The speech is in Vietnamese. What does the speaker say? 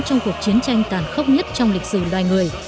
trong cuộc chiến tranh tàn khốc nhất trong lịch sử loài người